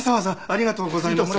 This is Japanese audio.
ありがとうございます。